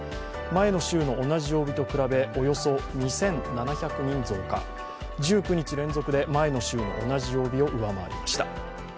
前の週の同じ曜日と比べおよそ２７００人増加、１９日連続で前の週の同じ曜日を上回りました。